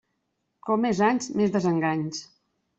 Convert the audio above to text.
Com més anys, més desenganys.